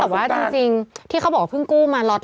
หลังจากกู้มาปุ๊บ